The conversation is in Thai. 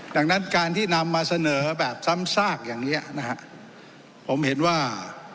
ดังนั้นการที่นำมาเสนอแบบซ้ำซากอย่างเนี้ยนะฮะผมเห็นว่า